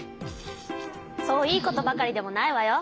そういいことばかりでもないわよ。